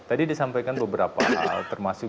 tadi disampaikan beberapa hal termasuk